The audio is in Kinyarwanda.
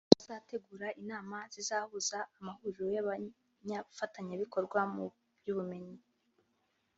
aho bazategura inama zizahuza amahuriro y’abafatanyabikorwa mu by’ubumenyi